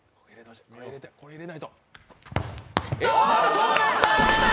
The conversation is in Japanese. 正面だ！